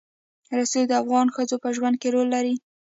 رسوب د افغان ښځو په ژوند کې رول لري.